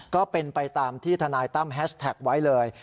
ก็เป็นไปตามที่ทนายตั้มแฮชแท็กไว้เลย